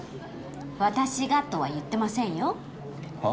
「私が」とは言ってませんよはあ？